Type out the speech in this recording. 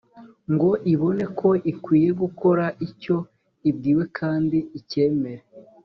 ngo ibone ko ikwiye gukora icyo ibwiwe kandi icyemere